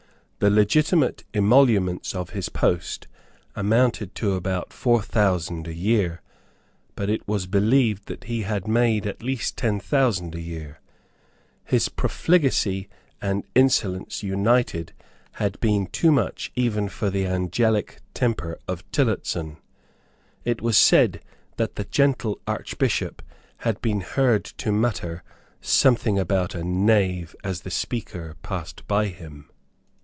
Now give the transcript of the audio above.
The legitimate emoluments of his post amounted to about four thousand a year; but it was believed that he had made at least ten thousand a year. His profligacy and insolence united had been too much even for the angelic temper of Tillotson. It was said that the gentle Archbishop had been heard to mutter something about a knave as the Speaker passed by him.